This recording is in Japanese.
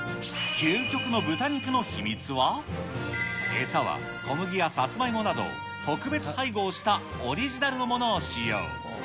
究極の豚肉の秘密は、餌は小麦やさつまいもなど、特別配合したオリジナルのものを使用。